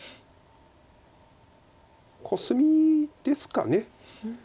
コスミですか。